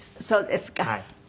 そうですか。